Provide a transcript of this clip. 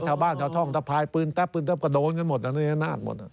ชาวบ้านชาวท่องตะพายปืนแต๊บปืนแต๊บกระโดนกันหมดหน้านาดหมด